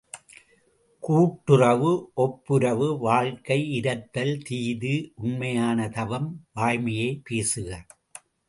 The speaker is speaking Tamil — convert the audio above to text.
கூட்டுறவு ஒப்புரவு வாழ்க்கை இரத்தல் தீது உண்மையான தவம் வாய்மையே பேசுக!